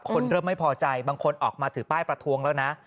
คนเริ่มไม่พอใจบางคนออกมาถือป้ายประท้วงแล้วนะ